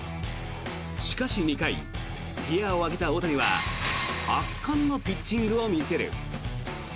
しかし２回、ギアを上げた大谷は圧巻のピッチングを見せる。